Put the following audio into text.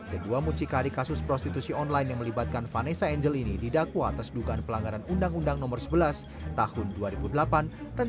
kedua mucikari kasus prostitusi online yang melibatkan vanessa angel ini didakwa atas dugaan pelanggaran undang undang nomor sebelas tahun dua ribu delapan belas